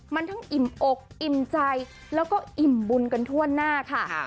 มันทั้งอิ่มอกอิ่มใจแล้วก็อิ่มบุญกันทั่วหน้าค่ะ